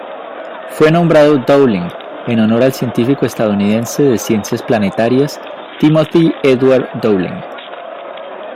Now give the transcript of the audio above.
Fue nombrado Dowling en honor al científico estadounidense de ciencias planetarias Timothy Edward Dowling.